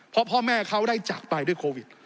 เพราะพ่อแม่เขาได้จากไปด้วยโควิด